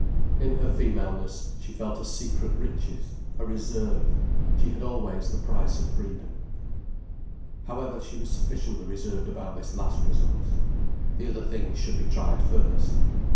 In her femaleness she felt a secret riches, a reserve, she had always the price of freedom. However, she was sufficiently reserved about this last resource. The other things should be tried first.